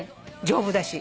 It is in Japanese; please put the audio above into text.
丈夫だし。